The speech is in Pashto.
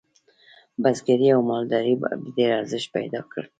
بزګرۍ او مالدارۍ ډیر ارزښت پیدا کړ.